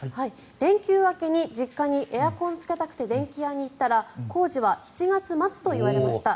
連休明けに実家にエアコンつけたくて電気屋に行ったら工事は７月末といわれました。